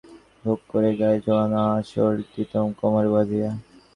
তালপুকুরের নির্জনতাকে সে শুধু ভোগ করে গায়ে জড়ানো আঁচলটি কোমরে বধিয়া।